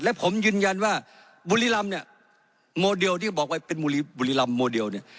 และผมยืนยันว่าบุรีรำเนี่ยโมเดลที่บอกว่าเป็นบุรีรำโมเดลเนี่ย